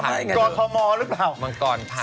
มังกรพันธุ์